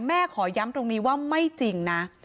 ขอย้ำตรงนี้ว่าไม่จริงนะ